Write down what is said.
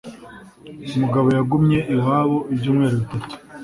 Mugabo yagumye iwanjye ibyumweru bitatu.